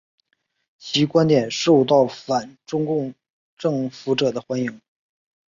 其观点受到反中共政府者的欢迎。